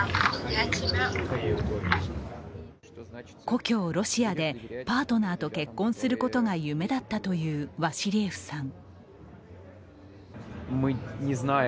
故郷・ロシアでパートナーと結婚することが夢だったというワシリエフさん。